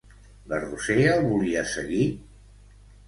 La Roser el volia seguir?